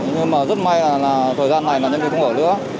nhưng mà rất may là thời gian này nhân viên không ở nữa